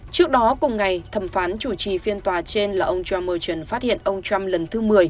trước đó cùng ngày thẩm phán chủ trì phiên tòa trên là ông john muton phát hiện ông trump lần thứ một mươi